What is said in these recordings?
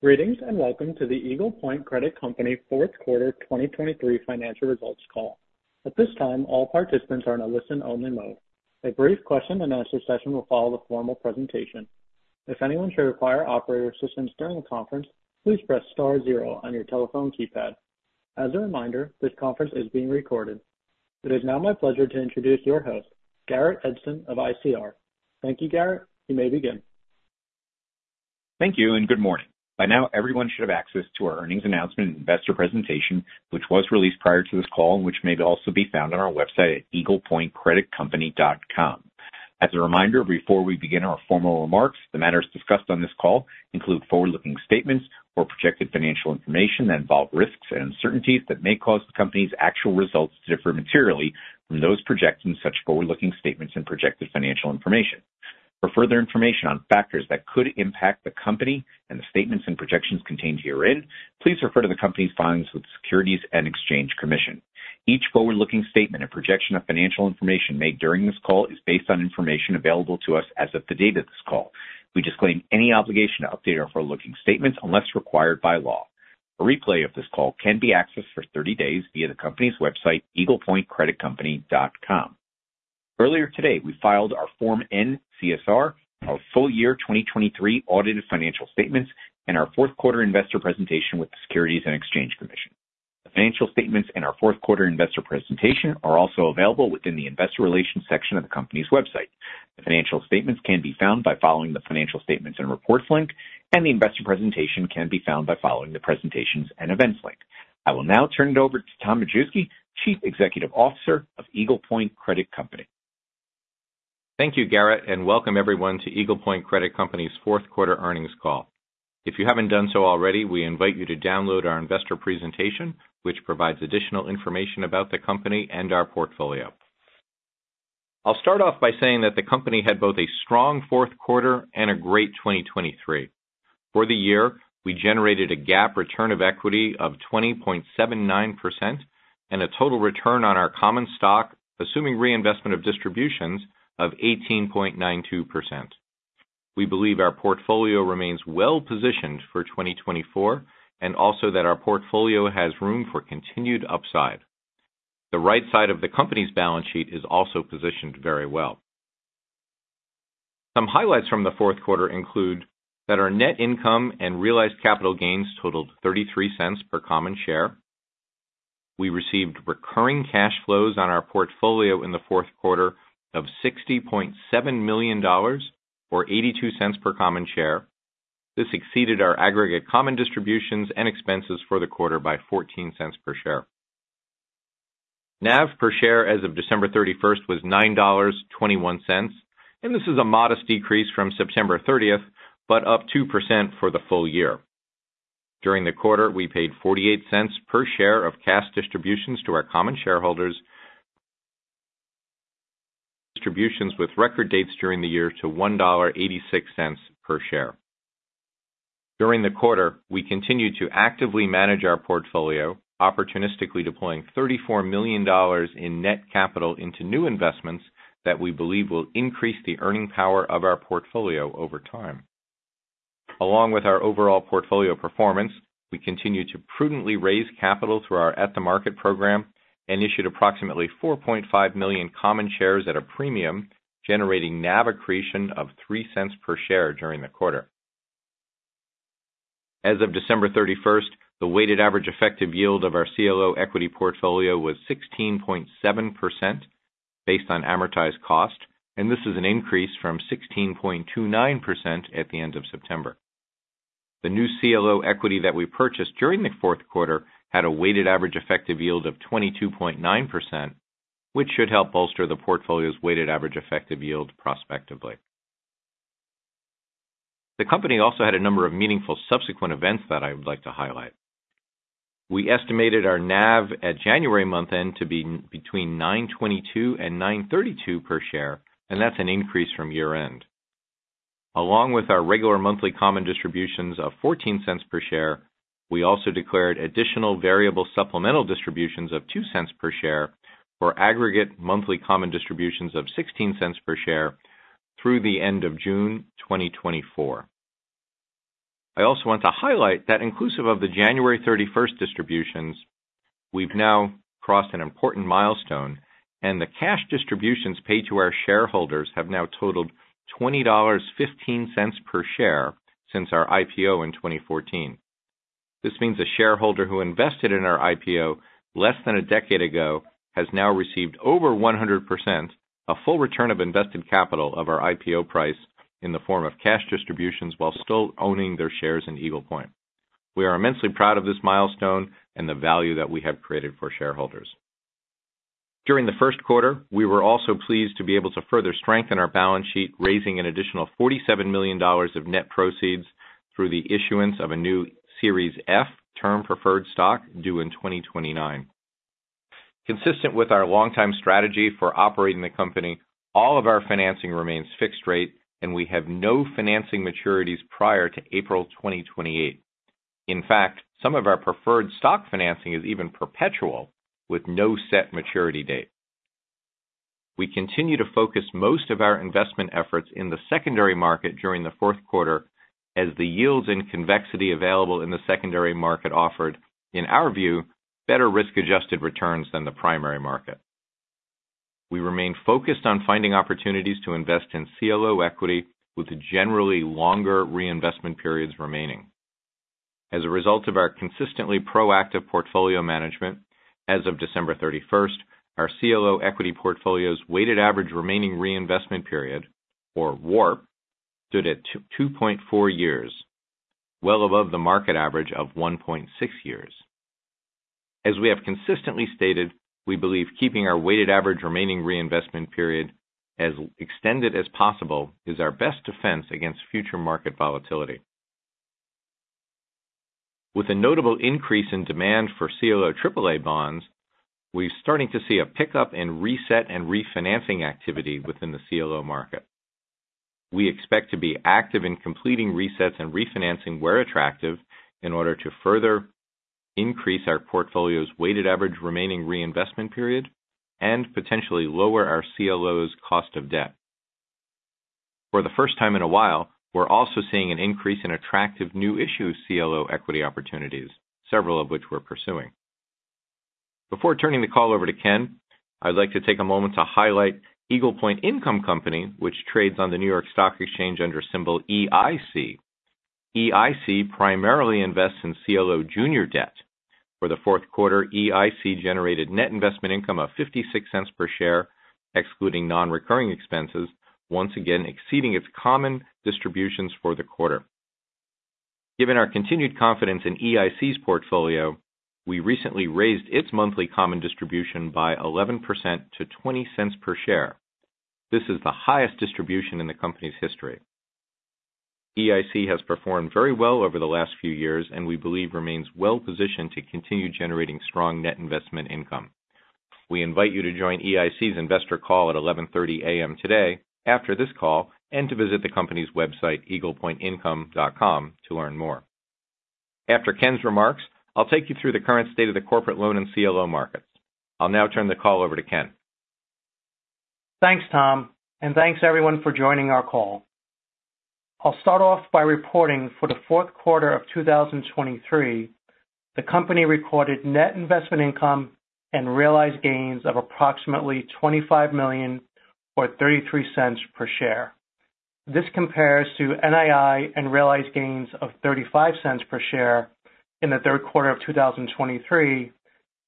Greetings and welcome to the Eagle Point Credit Company fourth quarter 2023 financial results call. At this time, all participants are in a listen-only mode. A brief question-and-answer session will follow the formal presentation. If anyone should require operator assistance during the conference, please press star zero on your telephone keypad. As a reminder, this conference is being recorded. It is now my pleasure to introduce your host, Garrett Edson of ICR. Thank you, Garrett. You may begin. Thank you and good morning. By now, everyone should have access to our earnings announcement and investor presentation, which was released prior to this call and which may also be found on our website at eaglepointcreditcompany.com. As a reminder, before we begin our formal remarks, the matters discussed on this call include forward-looking statements or projected financial information that involve risks and uncertainties that may cause the company's actual results to differ materially from those projected in such forward-looking statements and projected financial information. For further information on factors that could impact the company and the statements and projections contained herein, please refer to the company's filings with the Securities and Exchange Commission. Each forward-looking statement and projection of financial information made during this call is based on information available to us as of the date of this call. We disclaim any obligation to update our forward-looking statements unless required by law. A replay of this call can be accessed for 30 days via the company's website, eaglepointcreditcompany.com. Earlier today, we filed our Form N-CSR, our full year 2023 audited financial statements, and our fourth quarter investor presentation with the Securities and Exchange Commission. The financial statements and our fourth quarter investor presentation are also available within the investor relations section of the company's website. The financial statements can be found by following the financial statements and reports link, and the investor presentation can be found by following the presentations and events link. I will now turn it over to Tom Majewski, Chief Executive Officer of Eagle Point Credit Company. Thank you, Garrett, and welcome everyone to Eagle Point Credit Company's fourth quarter earnings call. If you haven't done so already, we invite you to download our investor presentation, which provides additional information about the company and our portfolio. I'll start off by saying that the company had both a strong fourth quarter and a great 2023. For the year, we generated a GAAP return on equity of 20.79% and a total return on our common stock, assuming reinvestment of distributions, of 18.92%. We believe our portfolio remains well positioned for 2024 and also that our portfolio has room for continued upside. The right side of the company's balance sheet is also positioned very well. Some highlights from the fourth quarter include that our net income and realized capital gains totaled $0.33 per common share. We received recurring cash flows on our portfolio in the fourth quarter of $60.7 million or $0.82 per common share. This exceeded our aggregate common distributions and expenses for the quarter by $0.14 per share. NAV per share as of December 31st was $9.21, and this is a modest decrease from September 30th but up 2% for the full year. During the quarter, we paid $0.48 per share of cash distributions to our common shareholders, distributions with record dates during the year to $1.86 per share. During the quarter, we continued to actively manage our portfolio, opportunistically deploying $34 million in net capital into new investments that we believe will increase the earning power of our portfolio over time. Along with our overall portfolio performance, we continued to prudently raise capital through our At-the-Market program and issued approximately 4.5 million common shares at a premium, generating NAV accretion of $0.03 per share during the quarter. As of December 31st, the weighted average effective yield of our CLO equity portfolio was 16.7% based on amortized cost, and this is an increase from 16.29% at the end of September. The new CLO equity that we purchased during the fourth quarter had a weighted average effective yield of 22.9%, which should help bolster the portfolio's weighted average effective yield prospectively. The company also had a number of meaningful subsequent events that I would like to highlight. We estimated our NAV at January month-end to be between $9.22-$9.32 per share, and that's an increase from year-end. Along with our regular monthly common distributions of $0.14 per share, we also declared additional variable supplemental distributions of $0.02 per share for aggregate monthly common distributions of $0.16 per share through the end of June 2024. I also want to highlight that inclusive of the January 31st distributions, we've now crossed an important milestone, and the cash distributions paid to our shareholders have now totaled $20.15 per share since our IPO in 2014. This means a shareholder who invested in our IPO less than a decade ago has now received over 100%, a full return of invested capital of our IPO price, in the form of cash distributions while still owning their shares in Eagle Point. We are immensely proud of this milestone and the value that we have created for shareholders. During the first quarter, we were also pleased to be able to further strengthen our balance sheet, raising an additional $47 million of net proceeds through the issuance of a new Series F Term Preferred Stock due in 2029. Consistent with our long-time strategy for operating the company, all of our financing remains fixed rate, and we have no financing maturities prior to April 2028. In fact, some of our preferred stock financing is even perpetual with no set maturity date. We continue to focus most of our investment efforts in the secondary market during the fourth quarter as the yields and convexity available in the secondary market offered, in our view, better risk-adjusted returns than the primary market. We remain focused on finding opportunities to invest in CLO equity with generally longer reinvestment periods remaining. As a result of our consistently proactive portfolio management, as of December 31st, our CLO equity portfolio's Weighted Average Remaining Reinvestment Period, or WARP, stood at 2.4 years, well above the market average of 1.6 years. As we have consistently stated, we believe keeping our Weighted Average Remaining Reinvestment Period as extended as possible is our best defense against future market volatility. With a notable increase in demand for CLO AAA bonds, we're starting to see a pickup in Reset and Refinance activity within the CLO market. We expect to be active in completing resets and refinancing where attractive in order to further increase our portfolio's Weighted Average Remaining Reinvestment Period and potentially lower our CLO's cost of debt. For the first time in a while, we're also seeing an increase in attractive new-issue CLO equity opportunities, several of which we're pursuing. Before turning the call over to Ken, I'd like to take a moment to highlight Eagle Point Income Company, which trades on the New York Stock Exchange under symbol EIC. EIC primarily invests in CLO junior debt. For the fourth quarter, EIC generated net investment income of $0.56 per share, excluding non-recurring expenses, once again exceeding its common distributions for the quarter. Given our continued confidence in EIC's portfolio, we recently raised its monthly common distribution by 11% to $0.20 per share. This is the highest distribution in the company's history. EIC has performed very well over the last few years, and we believe remains well positioned to continue generating strong net investment income. We invite you to join EIC's investor call at 11:30 A.M. today, after this call, and to visit the company's website, eaglepointincome.com, to learn more. After Ken's remarks, I'll take you through the current state of the corporate loan and CLO markets. I'll now turn the call over to Ken. Thanks, Tom, and thanks everyone for joining our call. I'll start off by reporting for the fourth quarter of 2023, the company recorded net investment income and realized gains of approximately $25 million or $0.33 per share. This compares to NII and realized gains of $0.35 per share in the third quarter of 2023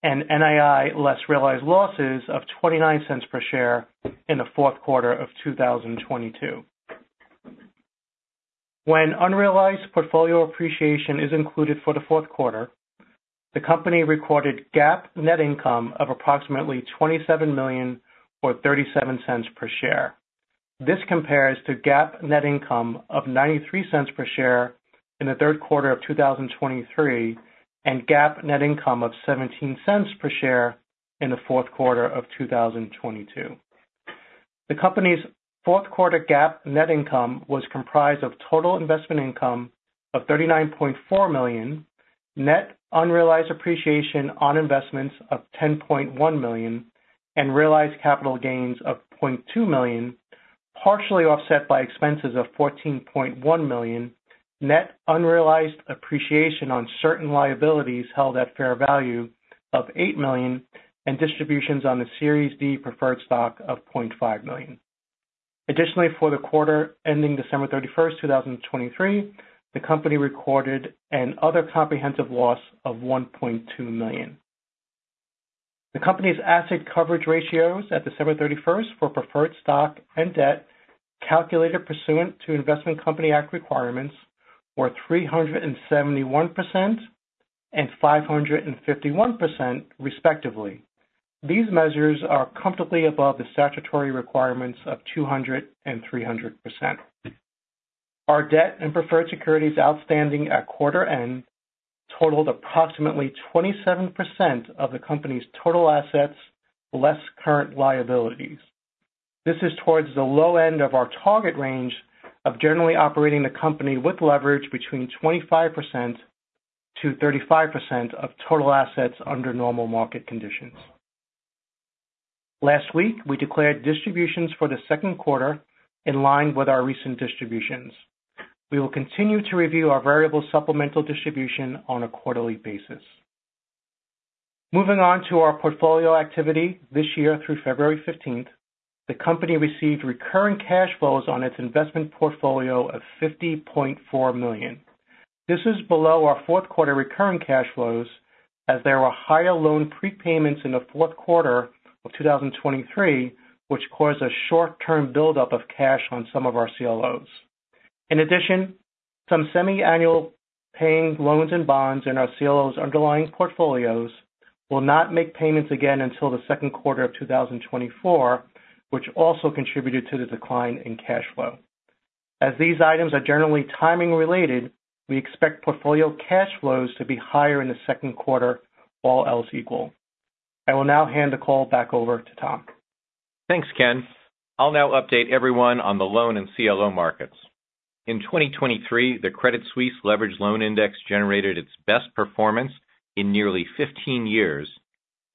and NII less realized losses of $0.29 per share in the fourth quarter of 2022. When unrealized portfolio appreciation is included for the fourth quarter, the company recorded GAAP net income of approximately $27 million or $0.37 per share. This compares to GAAP net income of $0.93 per share in the third quarter of 2023 and GAAP net income of $0.17 per share in the fourth quarter of 2022. The company's fourth quarter GAAP net income was comprised of total investment income of $39.4 million, net unrealized appreciation on investments of $10.1 million, and realized capital gains of $0.2 million, partially offset by expenses of $14.1 million, net unrealized appreciation on certain liabilities held at fair value of $8 million, and distributions on the Series D Preferred Stock of $0.5 million. Additionally, for the quarter ending December 31st, 2023, the company recorded other comprehensive loss of $1.2 million. The company's asset coverage ratios at December 31st for preferred stock and debt calculated pursuant to Investment Company Act requirements were 371% and 551%, respectively. These measures are comfortably above the statutory requirements of 200% and 300%. Our debt and preferred securities outstanding at quarter end totaled approximately 27% of the company's total assets less current liabilities. This is towards the low end of our target range of generally operating the company with leverage between 25%-35% of total assets under normal market conditions. Last week, we declared distributions for the second quarter in line with our recent distributions. We will continue to review our variable supplemental distribution on a quarterly basis. Moving on to our portfolio activity this year through February 15th, the company received recurring cash flows on its investment portfolio of $50.4 million. This is below our fourth quarter recurring cash flows as there were higher loan prepayments in the fourth quarter of 2023, which caused a short-term buildup of cash on some of our CLOs. In addition, some semi-annual paying loans and bonds in our CLOs' underlying portfolios will not make payments again until the second quarter of 2024, which also contributed to the decline in cash flow. As these items are generally timing-related, we expect portfolio cash flows to be higher in the second quarter, all else equal. I will now hand the call back over to Tom. Thanks, Ken. I'll now update everyone on the loan and CLO markets. In 2023, the Credit Suisse Leveraged Loan Index generated its best performance in nearly 15 years.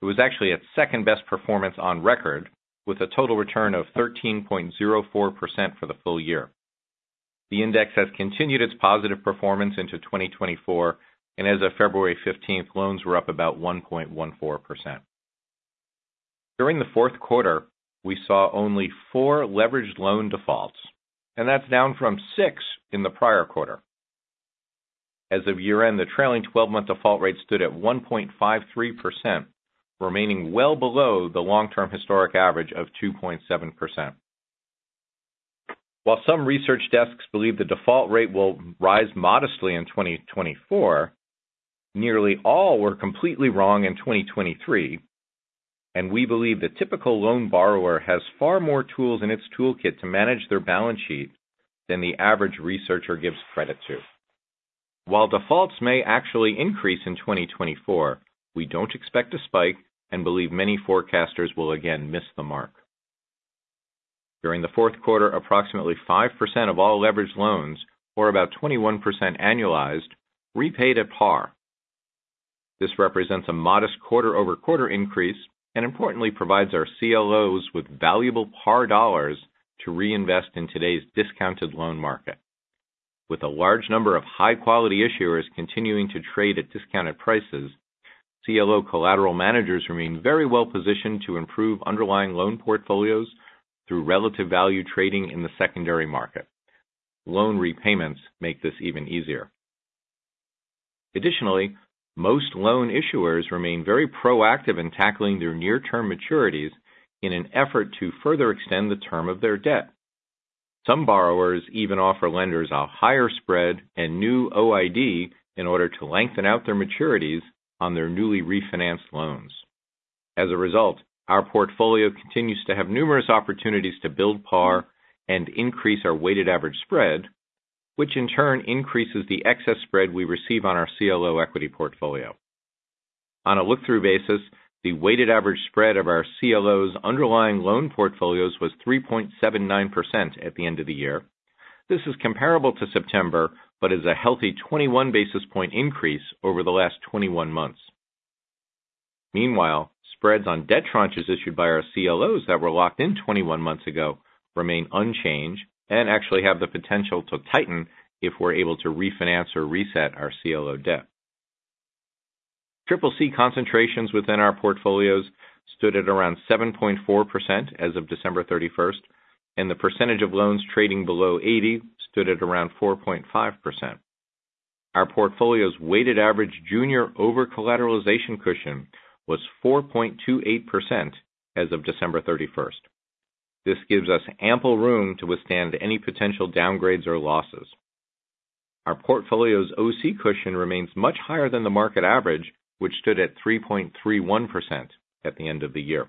It was actually its second best performance on record, with a total return of 13.04% for the full year. The index has continued its positive performance into 2024, and as of February 15th, loans were up about 1.14%. During the fourth quarter, we saw only 4 leveraged loan defaults, and that's down from 6 in the prior quarter. As of year-end, the trailing 12-month default rate stood at 1.53%, remaining well below the long-term historic average of 2.7%. While some research desks believe the default rate will rise modestly in 2024, nearly all were completely wrong in 2023, and we believe the typical loan borrower has far more tools in its toolkit to manage their balance sheet than the average researcher gives credit to. While defaults may actually increase in 2024, we don't expect a spike and believe many forecasters will again miss the mark. During the fourth quarter, approximately 5% of all leveraged loans, or about 21% annualized, repaid at par. This represents a modest quarter-over-quarter increase and, importantly, provides our CLOs with valuable par dollars to reinvest in today's discounted loan market. With a large number of high-quality issuers continuing to trade at discounted prices, CLO collateral managers remain very well positioned to improve underlying loan portfolios through relative value trading in the secondary market. Loan repayments make this even easier. Additionally, most loan issuers remain very proactive in tackling their near-term maturities in an effort to further extend the term of their debt. Some borrowers even offer lenders a higher spread and new OID in order to lengthen out their maturities on their newly refinanced loans. As a result, our portfolio continues to have numerous opportunities to build par and increase our weighted average spread, which in turn increases the excess spread we receive on our CLO equity portfolio. On a look-through basis, the weighted average spread of our CLO's underlying loan portfolios was 3.79% at the end of the year. This is comparable to September but is a healthy 21 basis point increase over the last 21 months. Meanwhile, spreads on debt tranches issued by our CLOs that were locked in 21 months ago remain unchanged and actually have the potential to tighten if we're able to refinance or reset our CLO debt. CCC concentrations within our portfolios stood at around 7.4% as of December 31st, and the percentage of loans trading below 80% stood at around 4.5%. Our portfolio's weighted average junior over-collateralization cushion was 4.28% as of December 31st. This gives us ample room to withstand any potential downgrades or losses. Our portfolio's OC cushion remains much higher than the market average, which stood at 3.31% at the end of the year.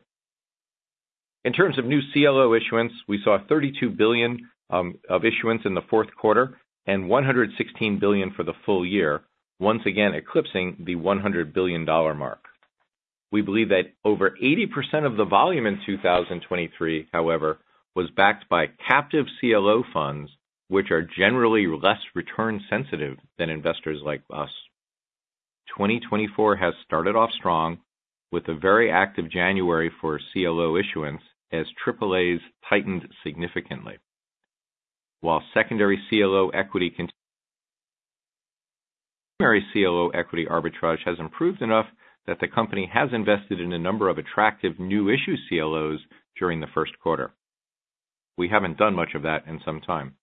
In terms of new CLO issuance, we saw $32 billion of issuance in the fourth quarter and $116 billion for the full year, once again eclipsing the $100 billion mark. We believe that over 80% of the volume in 2023, however, was backed by captive CLO funds, which are generally less return-sensitive than investors like us. 2024 has started off strong, with a very active January for CLO issuance as AAAs tightened significantly. While secondary CLO equity arbitrage has improved enough that the company has invested in a number of attractive new-issue CLOs during the first quarter, we haven't done much of that in some time.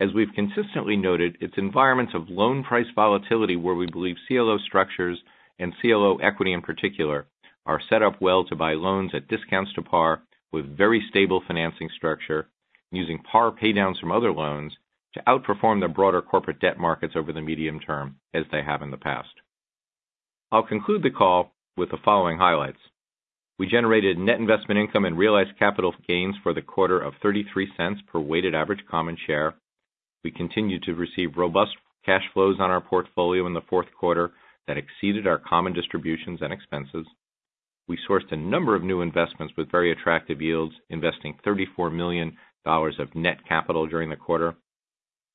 As we've consistently noted, it's environments of loan price volatility where we believe CLO structures and CLO equity in particular are set up well to buy loans at discounts to par with very stable financing structure, using par paydowns from other loans to outperform the broader corporate debt markets over the medium term as they have in the past. I'll conclude the call with the following highlights. We generated net investment income and realized capital gains for the quarter of $0.33 per weighted average common share. We continued to receive robust cash flows on our portfolio in the fourth quarter that exceeded our common distributions and expenses. We sourced a number of new investments with very attractive yields, investing $34 million of net capital during the quarter.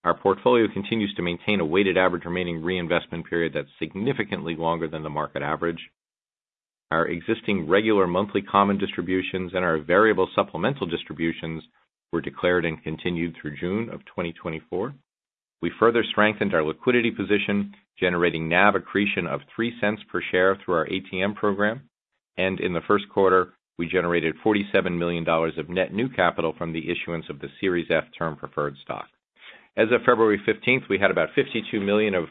Our portfolio continues to maintain a weighted average remaining reinvestment period that's significantly longer than the market average. Our existing regular monthly common distributions and our variable supplemental distributions were declared and continued through June of 2024. We further strengthened our liquidity position, generating NAV accretion of $0.03 per share through our ATM program. In the first quarter, we generated $47 million of net new capital from the issuance of the Series F Term Preferred Stock. As of February 15th, we had about $52 million of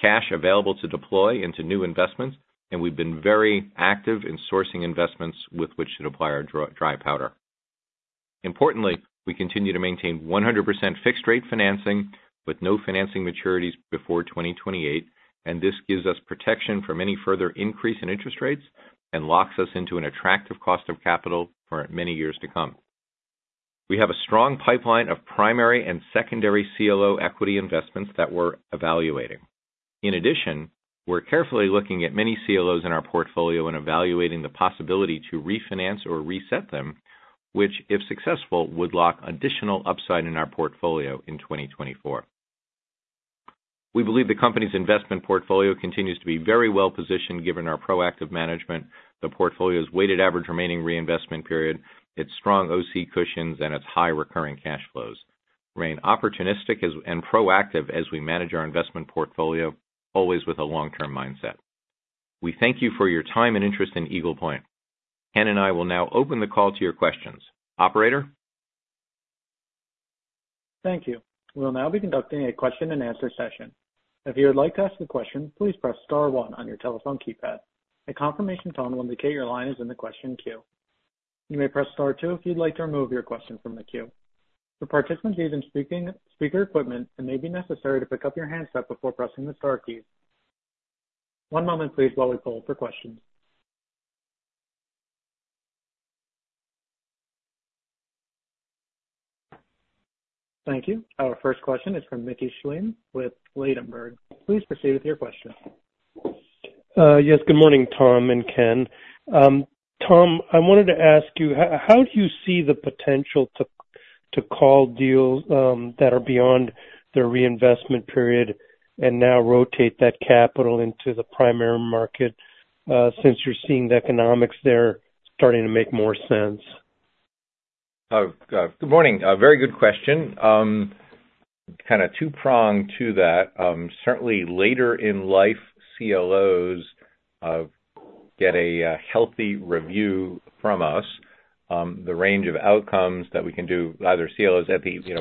cash available to deploy into new investments, and we've been very active in sourcing investments with which to deploy our dry powder. Importantly, we continue to maintain 100% fixed-rate financing with no financing maturities before 2028, and this gives us protection from any further increase in interest rates and locks us into an attractive cost of capital for many years to come. We have a strong pipeline of primary and secondary CLO equity investments that we're evaluating. In addition, we're carefully looking at many CLOs in our portfolio and evaluating the possibility to refinance or reset them, which, if successful, would lock additional upside in our portfolio in 2024. We believe the company's investment portfolio continues to be very well positioned given our proactive management, the portfolio's weighted average remaining reinvestment period, its strong OC cushions, and its high recurring cash flows. Remain opportunistic and proactive as we manage our investment portfolio, always with a long-term mindset. We thank you for your time and interest in Eagle Point. Ken and I will now open the call to your questions. Operator? Thank you. We'll now be conducting a question-and-answer session. If you would like to ask a question, please press star one on your telephone keypad. A confirmation tone will indicate your line is in the question queue. You may press star two if you'd like to remove your question from the queue. For participants using speaker equipment, it may be necessary to pick up your handset before pressing the star keys. One moment, please, while we pull up for questions. Thank you. Our first question is from Mickey Schleien with Ladenburg Thalmann. Please proceed with your question. Yes. Good morning, Tom and Ken. Tom, I wanted to ask you, how do you see the potential to call deals that are beyond their reinvestment period and now rotate that capital into the primary market since you're seeing the economics there starting to make more sense? Oh, good morning. Very good question. Kind of two-pronged to that. Certainly, later-in-life CLOs get a healthy review from us, the range of outcomes that we can do, either CLOs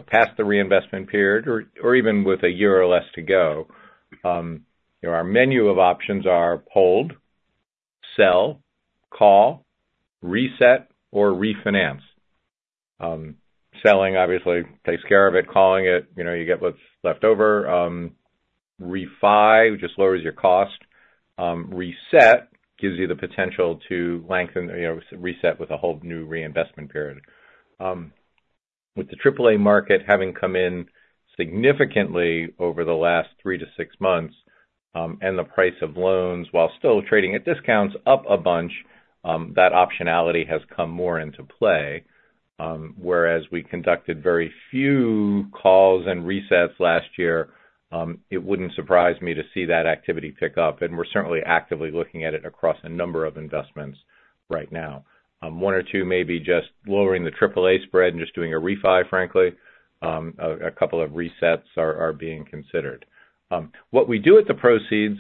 past the reinvestment period or even with a year or less to go. Our menu of options are hold, sell, call, reset, or refinance. Selling, obviously, takes care of it. Calling it, you get what's left over. Refi, which just lowers your cost. Reset gives you the potential to reset with a whole new reinvestment period. With the AAA market having come in significantly over the last 3-6 months and the price of loans, while still trading at discounts, up a bunch, that optionality has come more into play. Whereas we conducted very few calls and resets last year, it wouldn't surprise me to see that activity pick up, and we're certainly actively looking at it across a number of investments right now. One or two may be just lowering the AAA spread and just doing a refi, frankly. A couple of resets are being considered. What we do with the proceeds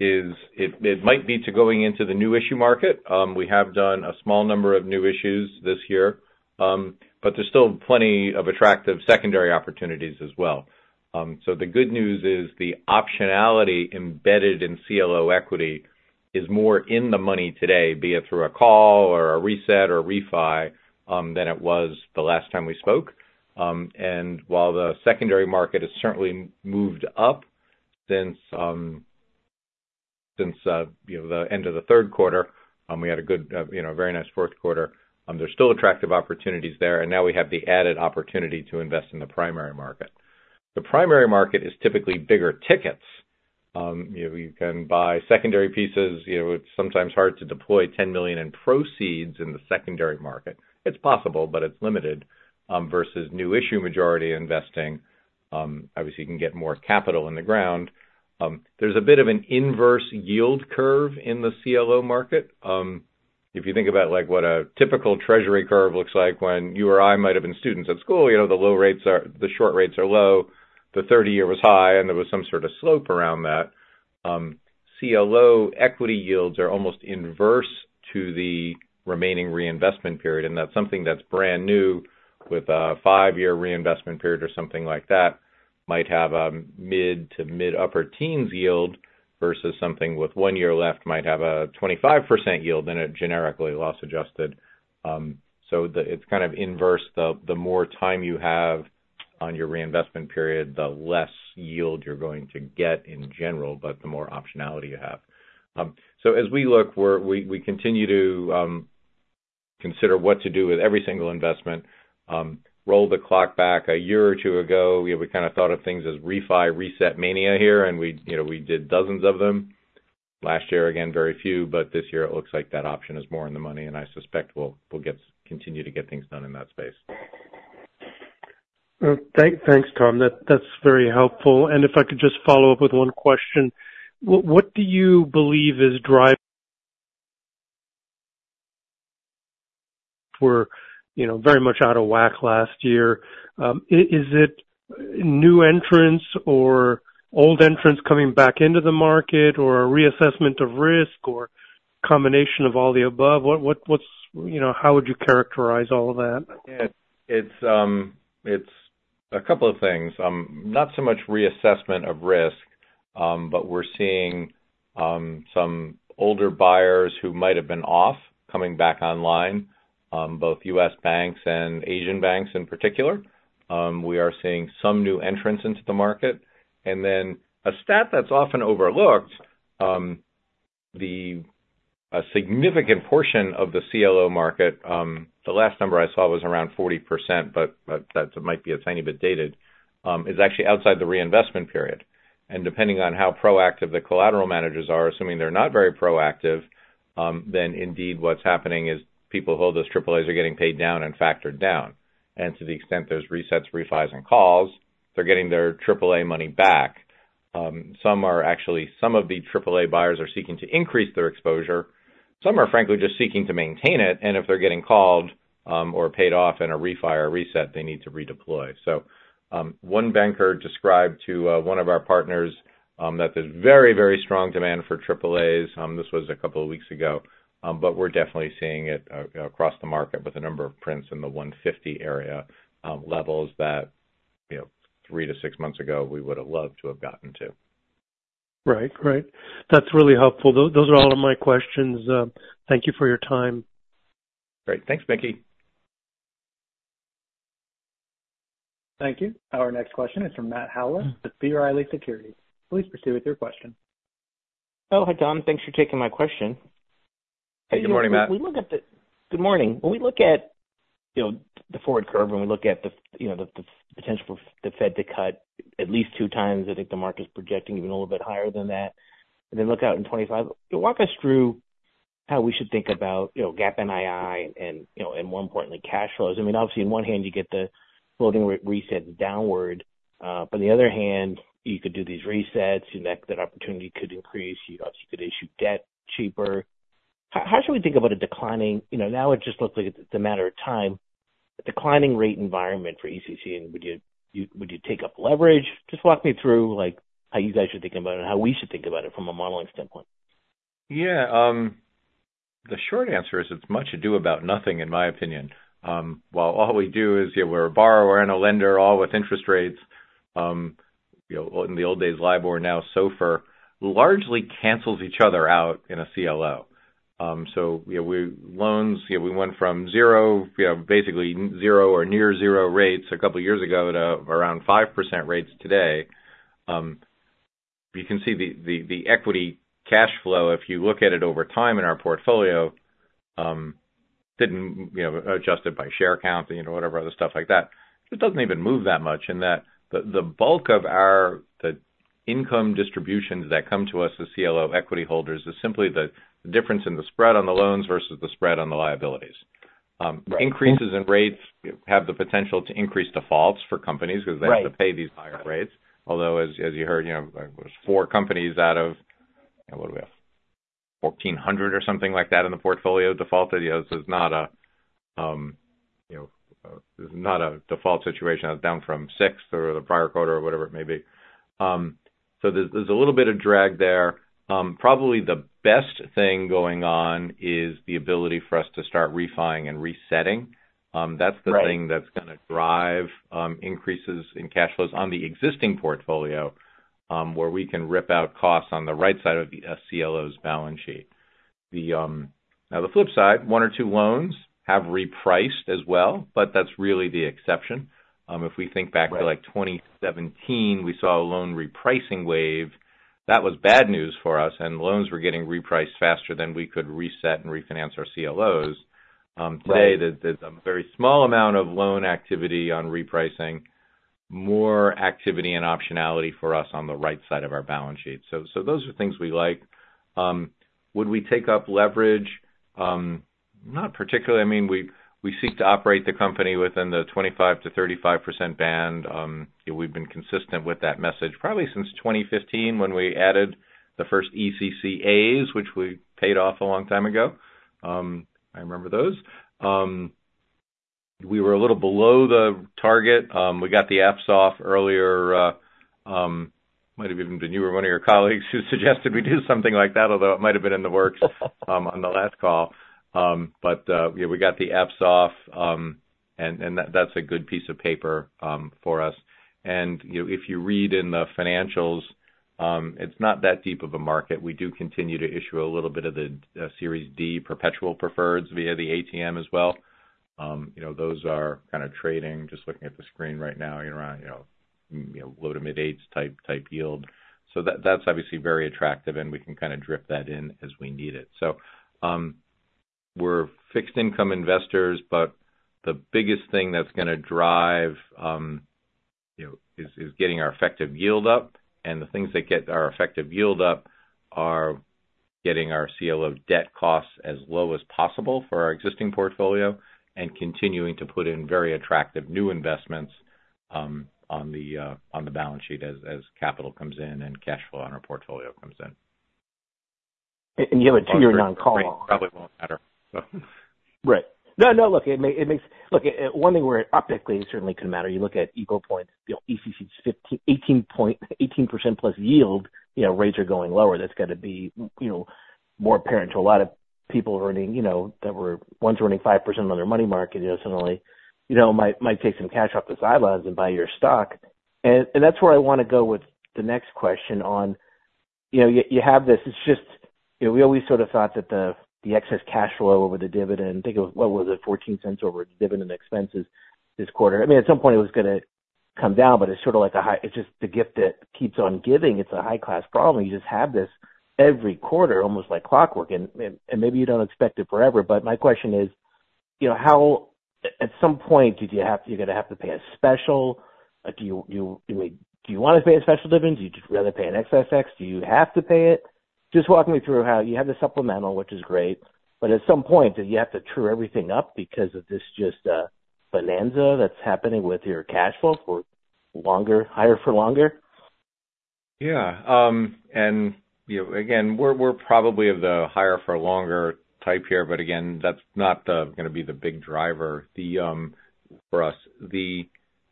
is, it might be going into the new issue market. We have done a small number of new issues this year, but there's still plenty of attractive secondary opportunities as well. So the good news is the optionality embedded in CLO equity is more in the money today, be it through a call or a reset or a refi, than it was the last time we spoke. And while the secondary market has certainly moved up since the end of the third quarter - we had a very nice fourth quarter - there's still attractive opportunities there, and now we have the added opportunity to invest in the primary market. The primary market is typically bigger tickets. You can buy secondary pieces. It's sometimes hard to deploy $10 million in proceeds in the secondary market. It's possible, but it's limited versus new issue majority investing. Obviously, you can get more capital in the ground. There's a bit of an inverse yield curve in the CLO market. If you think about what a typical treasury curve looks like when you or I might have been students at school, the short rates are low, the 30-year was high, and there was some sort of slope around that, CLO equity yields are almost inverse to the remaining reinvestment period. That's something that's brand new with a five-year reinvestment period or something like that might have a mid- to mid-upper teens yield versus something with one year left might have a 25% yield and a generally loss-adjusted. So it's kind of inverse. The more time you have on your reinvestment period, the less yield you're going to get in general, but the more optionality you have. So as we look, we continue to consider what to do with every single investment. Roll the clock back a year or two ago, we kind of thought of things as refi reset mania here, and we did dozens of them. Last year, again, very few, but this year, it looks like that option is more in the money, and I suspect we'll continue to get things done in that space. Thanks, Tom. That's very helpful. If I could just follow up with one question, what do you believe is driving? We're very much out of whack last year. Is it new entrants or old entrants coming back into the market or a reassessment of risk or a combination of all the above? How would you characterize all of that? Yeah. It's a couple of things. Not so much reassessment of risk, but we're seeing some older buyers who might have been off coming back online, both U.S. banks and Asian banks in particular. We are seeing some new entrants into the market. And then a stat that's often overlooked, a significant portion of the CLO market—the last number I saw was around 40%, but that might be a tiny bit dated—is actually outside the reinvestment period. And depending on how proactive the collateral managers are, assuming they're not very proactive, then indeed what's happening is people who hold those AAAs are getting paid down and factored down. And to the extent there's resets, refis, and calls, they're getting their AAA money back. Some of the AAA buyers are seeking to increase their exposure. Some are, frankly, just seeking to maintain it. And if they're getting called or paid off in a refi or reset, they need to redeploy. So one banker described to one of our partners that there's very, very strong demand for AAAs. This was a couple of weeks ago, but we're definitely seeing it across the market with a number of prints in the 150 area levels that 3-6 months ago, we would have loved to have gotten to. Right. Right. That's really helpful. Those are all of my questions. Thank you for your time. Great. Thanks, Mickey. Thank you. Our next question is from Matt Howlett with B. Riley Securities. Please proceed with your question. Oh, hi, Tom. Thanks for taking my question. Hey. Good morning, Matt. When we look at the forward curve, and we look at the potential for the Fed to cut at least two times, I think the market's projecting even a little bit higher than that. And then look out in 2025. Walk us through how we should think about GAAP NII and, more importantly, cash flows. I mean, obviously, on one hand, you get the floating rate resets downward. But on the other hand, you could do these resets. That opportunity could increase. Obviously, you could issue debt cheaper. How should we think about a declining now? It just looks like it's a matter of time. A declining rate environment for ECC, would you take up leverage? Just walk me through how you guys should think about it and how we should think about it from a modeling standpoint. Yeah. The short answer is it's much to do about nothing, in my opinion. While all we do is we're a borrower and a lender, all with interest rates. In the old days, LIBOR, now SOFR, largely cancels each other out in a CLO. So loans, we went from basically zero or near zero rates a couple of years ago to around 5% rates today. You can see the equity cash flow, if you look at it over time in our portfolio, adjusted by share count and whatever other stuff like that, just doesn't even move that much. And the bulk of the income distributions that come to us as CLO equity holders is simply the difference in the spread on the loans versus the spread on the liabilities. Increases in rates have the potential to increase defaults for companies because they have to pay these higher rates. Although, as you heard, there's 4 companies out of what do we have? 1,400 or something like that in the portfolio defaulted. This is not a default situation. It's down from six in the prior quarter or whatever it may be. So there's a little bit of drag there. Probably the best thing going on is the ability for us to start refinancing and resetting. That's the thing that's going to drive increases in cash flows on the existing portfolio, where we can rip out costs on the right side of a CLO's balance sheet. Now, the flip side, 1 or 2 loans have repriced as well, but that's really the exception. If we think back to 2017, we saw a loan repricing wave. That was bad news for us, and loans were getting repriced faster than we could reset and refinance our CLOs. Today, there's a very small amount of loan activity on repricing, more activity and optionality for us on the right side of our balance sheet. So those are things we like. Would we take up leverage? Not particularly. I mean, we seek to operate the company within the 25%-35% band. We've been consistent with that message probably since 2015 when we added the first ECCAs, which we paid off a long time ago. I remember those. We were a little below the target. We got the apps off earlier. It might have even been you or one of your colleagues who suggested we do something like that, although it might have been in the works on the last call. But we got the apps off, and that's a good piece of paper for us. And if you read in the financials, it's not that deep of a market. We do continue to issue a little bit of the Series D Perpetual Preferreds via the ATM as well. Those are kind of trading, just looking at the screen right now, around low to mid-eights type yield. So that's obviously very attractive, and we can kind of drip that in as we need it. So we're fixed-income investors, but the biggest thing that's going to drive is getting our effective yield up. And the things that get our effective yield up are getting our CLO debt costs as low as possible for our existing portfolio and continuing to put in very attractive new investments on the balance sheet as capital comes in and cash flow on our portfolio comes in. You have a 2-year non-call. Right. It probably won't matter, so. Right. No, no. Look, it makes look, one thing where it optically certainly couldn't matter. You look at Eagle Point, ECC's 18%+ yield, rates are going lower. That's got to be more apparent to a lot of people that were once earning 5% on their money market. Suddenly, you might take some cash off the sidelines and buy your stock. And that's where I want to go with the next question on you have this. It's just we always sort of thought that the excess cash flow over the dividend think of what was it? $0.14 over dividend expenses this quarter. I mean, at some point, it was going to come down, but it's sort of like a high it's just the gift that keeps on giving. It's a high-class problem. You just have this every quarter, almost like clockwork. Maybe you don't expect it forever, but my question is, at some point, did you have to you're going to have to pay a special? Do you want to pay a special dividend? Do you just rather pay an excise tax? Do you have to pay it? Just walk me through how you have the supplemental, which is great, but at some point, do you have to true everything up because of this just bonanza that's happening with your cash flow for higher for longer? Yeah. And again, we're probably of the higher for longer type here, but again, that's not going to be the big driver for us. The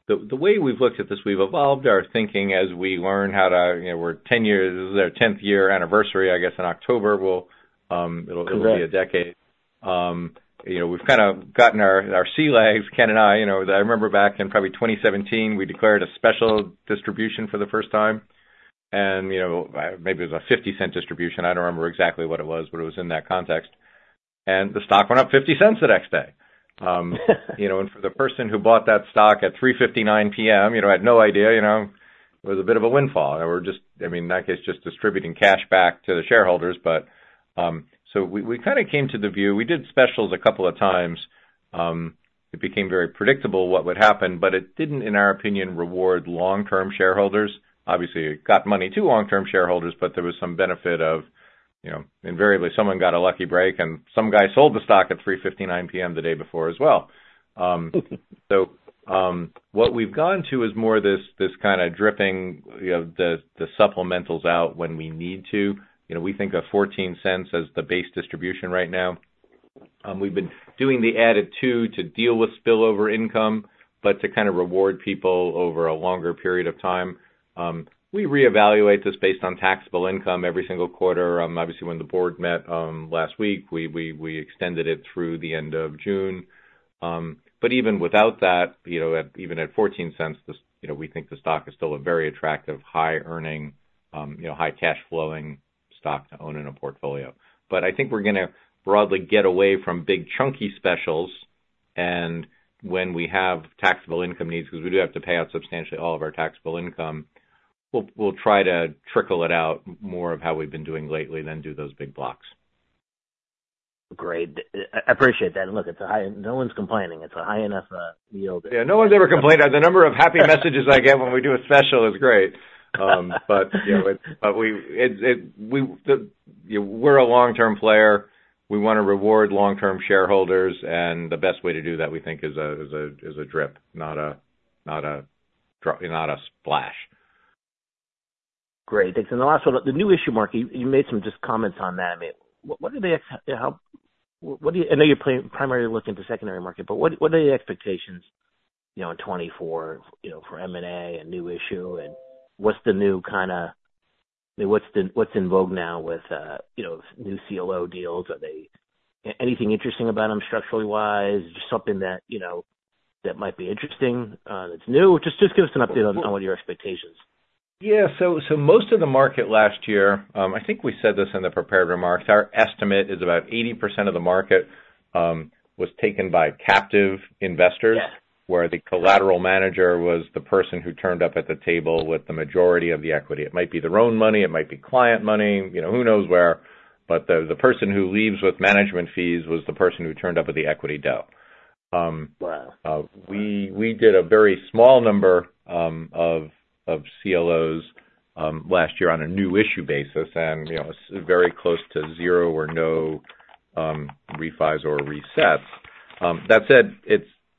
way we've looked at this, we've evolved our thinking as we learn how to we're 10 years. This is our 10th-year anniversary, I guess, in October. It'll be a decade. We've kind of gotten our sea legs, Kenneth and I. I remember back in probably 2017, we declared a special distribution for the first time. And maybe it was a $0.50 distribution. I don't remember exactly what it was, but it was in that context. And the stock went up $0.50 the next day. And for the person who bought that stock at 3:59 P.M., I had no idea. It was a bit of a windfall. I mean, in that case, just distributing cash back to the shareholders. So we kind of came to the view we did specials a couple of times. It became very predictable what would happen, but it didn't, in our opinion, reward long-term shareholders. Obviously, it got money to long-term shareholders, but there was some benefit of invariably someone got a lucky break, and some guy sold the stock at 3:59 P.M. the day before as well. So what we've gone to is more this kind of dripping the supplementals out when we need to. We think of $0.14 as the base distribution right now. We've been doing the added $0.02 to deal with spillover income but to kind of reward people over a longer period of time. We reevaluate this based on taxable income every single quarter. Obviously, when the board met last week, we extended it through the end of June. But even without that, even at $0.14, we think the stock is still a very attractive, high-earning, high-cash-flowing stock to own in a portfolio. But I think we're going to broadly get away from big chunky specials. And when we have taxable income needs because we do have to pay out substantially all of our taxable income, we'll try to trickle it out more of how we've been doing lately than do those big blocks. Great. I appreciate that. Look, no one's complaining. It's a high enough yield. Yeah. No one's ever complained. The number of happy messages I get when we do a special is great. But we're a long-term player. We want to reward long-term shareholders. And the best way to do that, we think, is a drip, not a splash. Great. Thanks. And the last one, the new issue market, you made some just comments on that. I mean, what do they help? I know you're primarily looking to secondary market, but what are the expectations in 2024 for M&A and new issue? And what's the new kind of I mean, what's in vogue now with new CLO deals? Are they anything interesting about them structurally-wise? Just something that might be interesting that's new. Just give us an update on what your expectations are. Yeah. So most of the market last year I think we said this in the prepared remarks. Our estimate is about 80% of the market was taken by captive investors, where the collateral manager was the person who turned up at the table with the majority of the equity. It might be their own money. It might be client money. Who knows where? But the person who leaves with management fees was the person who turned up with the equity dough. We did a very small number of CLOs last year on a new issue basis, and it's very close to zero or no refis or resets. That said,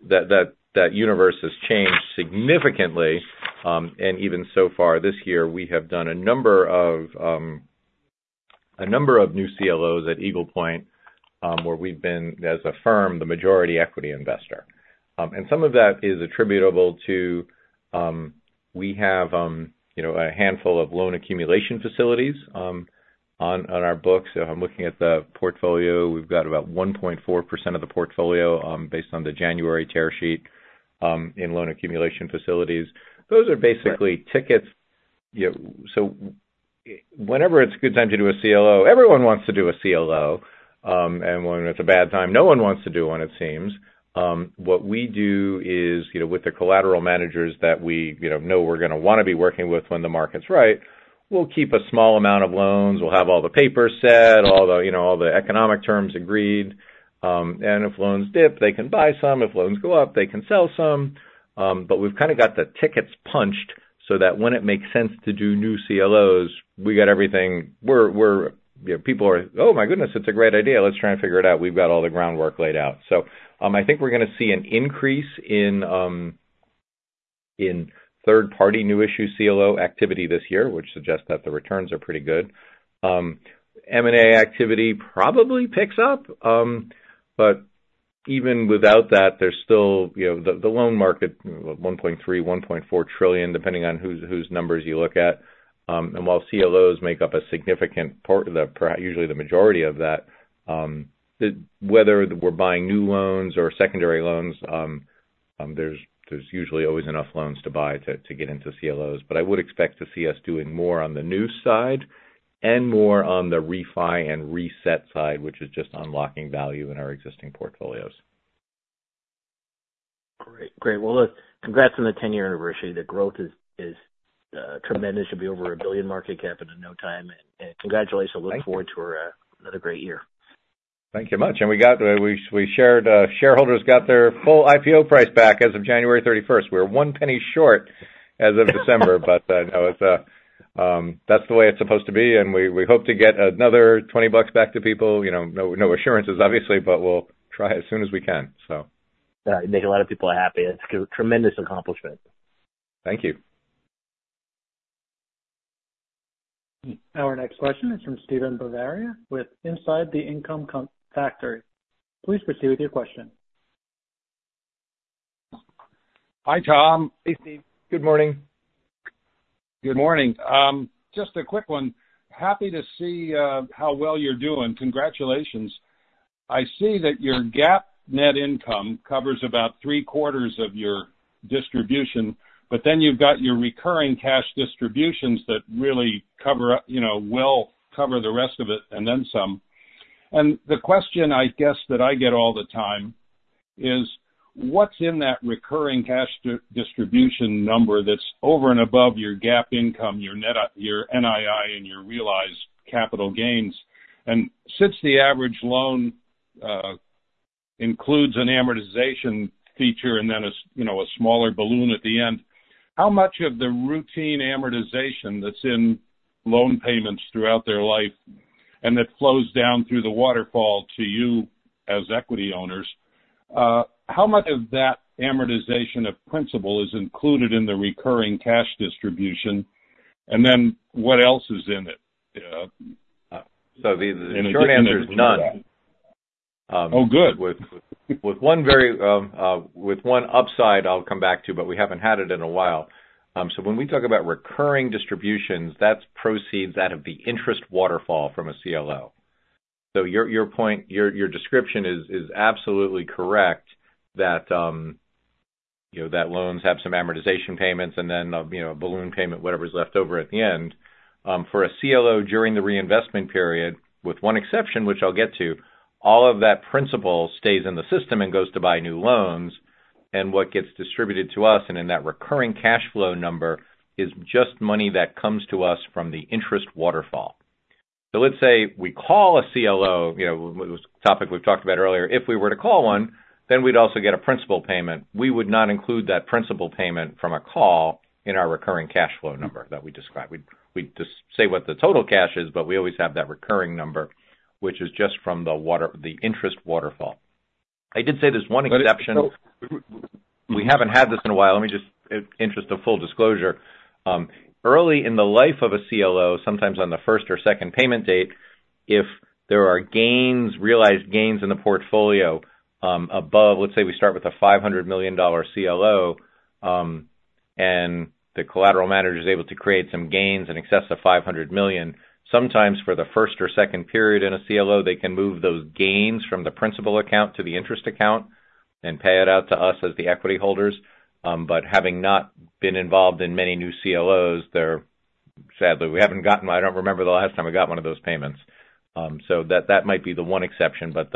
that universe has changed significantly. And even so far this year, we have done a number of new CLOs at Eagle Point where we've been, as a firm, the majority equity investor. Some of that is attributable to we have a handful of loan accumulation facilities on our books. If I'm looking at the portfolio, we've got about 1.4% of the portfolio based on the January balance sheet in loan accumulation facilities. Those are basically tickets. So whenever it's a good time to do a CLO, everyone wants to do a CLO. And when it's a bad time, no one wants to do one, it seems. What we do is, with the collateral managers that we know we're going to want to be working with when the market's right, we'll keep a small amount of loans. We'll have all the papers set, all the economic terms agreed. And if loans dip, they can buy some. If loans go up, they can sell some. But we've kind of got the tickets punched so that when it makes sense to do new CLOs, we got everything. People are, "Oh my goodness. It's a great idea. Let's try and figure it out." We've got all the groundwork laid out. So I think we're going to see an increase in third-party new issue CLO activity this year, which suggests that the returns are pretty good. M&A activity probably picks up. But even without that, there's still the loan market, $1.3-$1.4 trillion, depending on whose numbers you look at. And while CLOs make up a significant usually the majority of that, whether we're buying new loans or secondary loans, there's usually always enough loans to buy to get into CLOs. But I would expect to see us doing more on the new side and more on the refi and reset side, which is just unlocking value in our existing portfolios. Great. Great. Well, look, congrats on the 10-year anniversary. The growth is tremendous. It'll be over $1 billion market cap in no time. And congratulations. I look forward to another great year. Thank you much. Our shareholders got their full IPO price back as of January 31st. We were one penny short as of December, but now, that's the way it's supposed to be. We hope to get another $20 back to people. No assurances, obviously, but we'll try as soon as we can, so. All right. Make a lot of people happy. It's a tremendous accomplishment. Thank you. Our next question is from Steven Bavaria with Inside the Income Factory. Please proceed with your question. Hi, Tom. Hey, Steve. Good morning. Good morning. Just a quick one. Happy to see how well you're doing. Congratulations. I see that your GAAP net income covers about three-quarters of your distribution, but then you've got your recurring cash distributions that really will cover the rest of it and then some. And the question, I guess, that I get all the time is, what's in that recurring cash distribution number that's over and above your GAAP income, your NII, and your realized capital gains? And since the average loan includes an amortization feature and then a smaller balloon at the end, how much of the routine amortization that's in loan payments throughout their life and that flows down through the waterfall to you as equity owners, how much of that amortization of principal is included in the recurring cash distribution? And then what else is in it? So the short answer is none. Oh, good. With one upside I'll come back to, but we haven't had it in a while. When we talk about recurring distributions, that's proceeds out of the interest waterfall from a CLO. Your description is absolutely correct that loans have some amortization payments and then a balloon payment, whatever's left over at the end. For a CLO during the reinvestment period, with one exception, which I'll get to, all of that principal stays in the system and goes to buy new loans. What gets distributed to us and in that recurring cash flow number is just money that comes to us from the interest waterfall. Let's say we call a CLO, topic we've talked about earlier, if we were to call one, then we'd also get a principal payment. We would not include that principal payment from a call in our recurring cash flow number that we describe. We'd just say what the total cash is, but we always have that recurring number, which is just from the interest waterfall. I did say there's one exception. We haven't had this in a while. Let me just, in the interest of full disclosure, early in the life of a CLO, sometimes on the first or second payment date, if there are realized gains in the portfolio above let's say we start with a $500 million CLO and the collateral manager is able to create some gains in excess of $500 million. Sometimes for the first or second period in a CLO, they can move those gains from the principal account to the interest account and pay it out to us as the equity holders. But having not been involved in many new CLOs, they're sadly, we haven't gotten. I don't remember the last time we got one of those payments. So that might be the one exception, but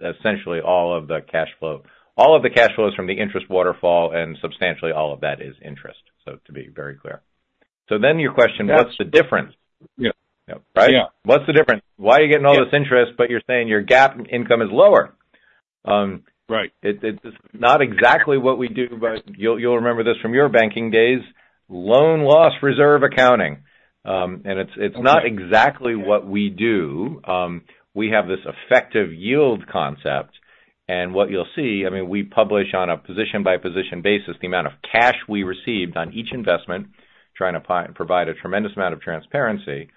essentially, all of the cash flow all of the cash flow is from the interest waterfall, and substantially, all of that is interest, so to be very clear. So then your question, what's the difference? Right? What's the difference? Why are you getting all this interest, but you're saying your GAAP income is lower? It's not exactly what we do, but you'll remember this from your banking days, loan loss reserve accounting. And it's not exactly what we do. We have this effective yield concept. And what you'll see, I mean, we publish on a position-by-position basis the amount of cash we received on each investment, trying to provide a tremendous amount of transparency.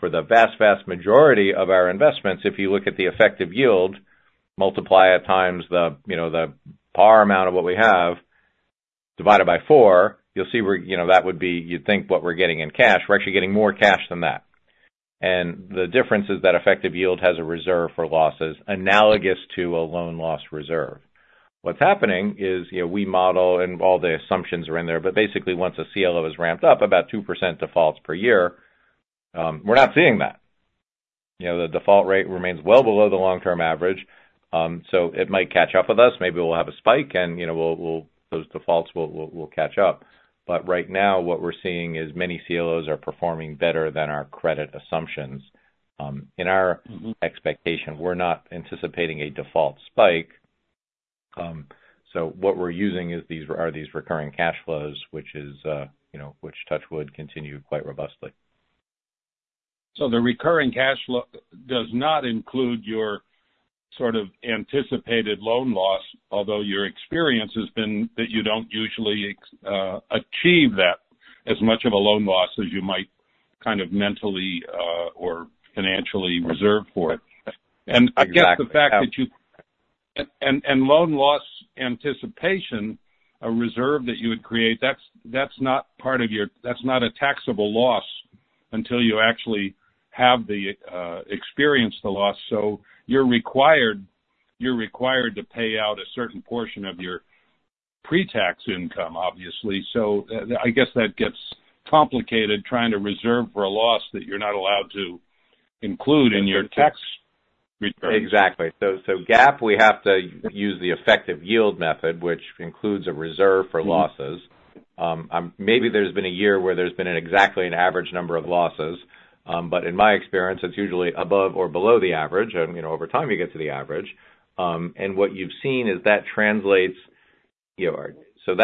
For the vast, vast majority of our investments, if you look at the effective yield, multiply it times the par amount of what we have, divide it by 4, you'll see that would be you'd think what we're getting in cash. We're actually getting more cash than that. And the difference is that effective yield has a reserve for losses analogous to a loan loss reserve. What's happening is we model and all the assumptions are in there, but basically, once a CLO is ramped up, about 2% defaults per year, we're not seeing that. The default rate remains well below the long-term average. So it might catch up with us. Maybe we'll have a spike, and those defaults will catch up. But right now, what we're seeing is many CLOs are performing better than our credit assumptions. In our expectation, we're not anticipating a default spike. What we're using are these recurring cash flows, which Touchwood continued quite robustly. So the recurring cash flow does not include your sort of anticipated loan loss, although your experience has been that you don't usually achieve that as much of a loan loss as you might kind of mentally or financially reserve for it. And I guess the fact that you and loan loss anticipation, a reserve that you would create, that's not part of your that's not a taxable loss until you actually have experienced the loss. So you're required to pay out a certain portion of your pre-tax income, obviously. So I guess that gets complicated trying to reserve for a loss that you're not allowed to include in your tax return. Exactly. So GAAP, we have to use the effective yield method, which includes a reserve for losses. Maybe there's been a year where there's been exactly an average number of losses. But in my experience, it's usually above or below the average. And over time, you get to the average. And what you've seen is that translates so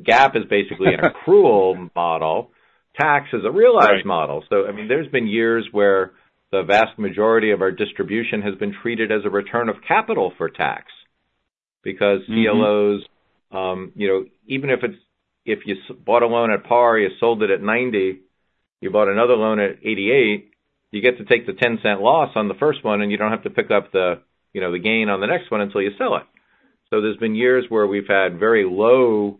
GAAP is basically an accrual model. Tax is a realized model. So I mean, there's been years where the vast majority of our distribution has been treated as a return of capital for tax because CLOs even if you bought a loan at par, you sold it at 90, you bought another loan at 88, you get to take the $0.10 loss on the first one, and you don't have to pick up the gain on the next one until you sell it. So there's been years where we've had very low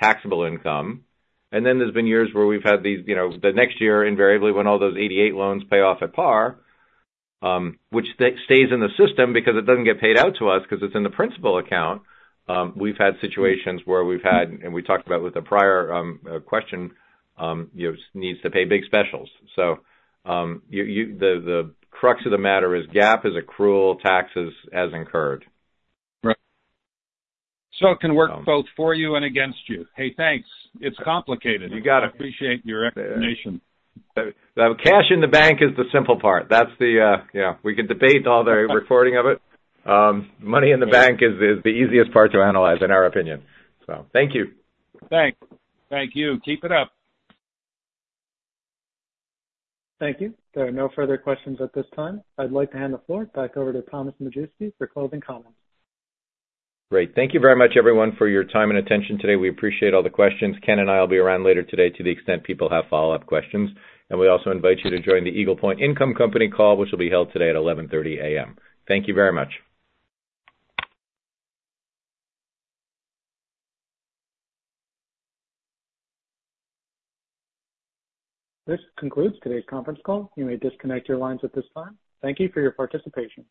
taxable income. And then there's been years where we've had this, the next year, invariably, when all those 88 loans pay off at par, which stays in the system because it doesn't get paid out to us because it's in the principal account. We've had situations where and we talked about with the prior question, needs to pay big specials. So the crux of the matter is GAAP is accrual, tax is incurred. Right. So it can work both for you and against you. Hey, thanks. It's complicated. I appreciate your explanation. Cash in the bank is the simple part. Yeah, we could debate all the reporting of it. Money in the bank is the easiest part to analyze, in our opinion. Thank you. Thanks. Thank you. Keep it up. Thank you. There are no further questions at this time. I'd like to hand the floor back over to Thomas Majewski for closing comments. Great. Thank you very much, everyone, for your time and attention today. We appreciate all the questions. Kenneth and I will be around later today to the extent people have follow-up questions. And we also invite you to join the Eagle Point Income Company call, which will be held today at 11:30 A.M. Thank you very much. This concludes today's conference call. You may disconnect your lines at this time. Thank you for your participation.